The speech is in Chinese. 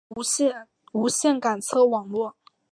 无线感测网路。